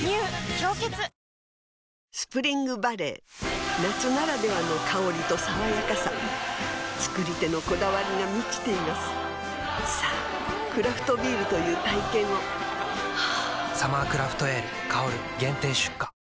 「氷結」スプリングバレー夏ならではの香りと爽やかさ造り手のこだわりが満ちていますさぁクラフトビールという体験を「サマークラフトエール香」限定出荷